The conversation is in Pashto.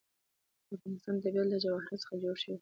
د افغانستان طبیعت له جواهرات څخه جوړ شوی دی.